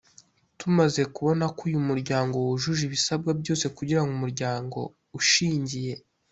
tumaze kubona ko uyu muryango wujuje ibisabwa byose kugira ngo umuryango ushingiye